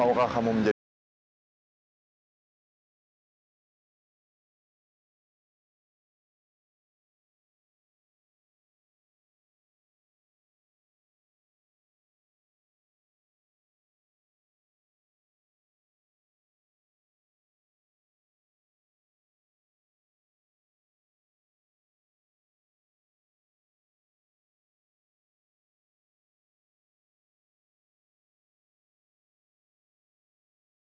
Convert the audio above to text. aku akan mencintai